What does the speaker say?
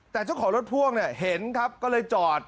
แต่เจ้าของรถพ่วงเนี่ยเห็นครับก็เลยจอด